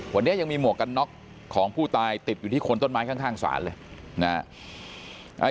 วันนี้ยังมีหมวกกันน็อกของผู้ตายติดอยู่ที่คนต้นไม้ข้างศาลเลยนะฮะ